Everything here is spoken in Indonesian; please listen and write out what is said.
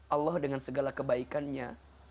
allah dengan segala kebaikannya